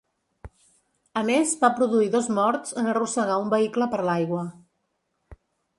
A més, va produir dos morts en arrossegar un vehicle per l'aigua.